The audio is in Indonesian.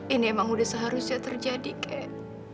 ini emang sudah seharusnya terjadi kak